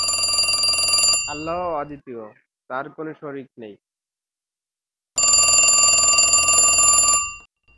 বিভিন্ন পুরাণ মতে এদের অধিপতি গণেশ, নন্দী অথবা দক্ষ।